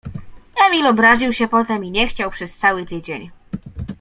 Emil obraził się potem i nie chciał przez cały tydzień.